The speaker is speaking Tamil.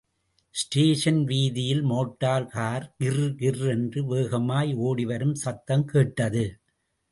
ஸ்டேஷன் வீதியில் மோட்டார் கார் கிர்... கிர் என்று வேகமாய் ஓடி வரும் சத்தம் கேட்டது.